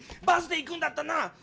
バスで行くんだったな！